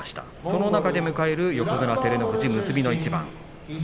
その中で迎える横綱照ノ富士結びの一番。